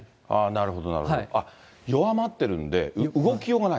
なるほど、なるほど。弱まってるんで、動きようがない。